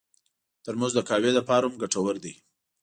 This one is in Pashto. ترموز د قهوې لپاره هم ګټور دی.